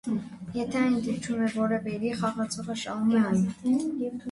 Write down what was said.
Եթե այն դիպչում է որևէ իրի, խաղացողը շահում է այն։